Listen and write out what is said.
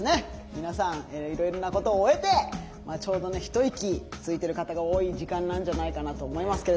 皆さんいろいろなことを終えてちょうど一息ついてる方が多い時間なんじゃないかなと思いますけれども。